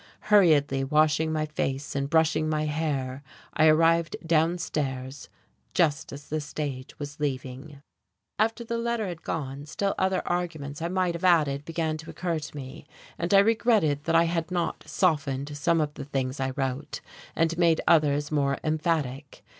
Hurriedly washing my face and brushing my hair, I arrived downstairs just as the stage was leaving.... After the letter had gone still other arguments I might have added began to occur to me, and I regretted that I had not softened some of the things I wrote and made others more emphatic.